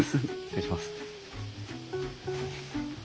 失礼します。